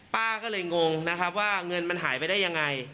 ป้าก็เลยงงนะครับว่าเงินมันหายไปได้ยังไง